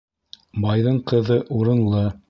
Байҙың ҡыҙы урынлы.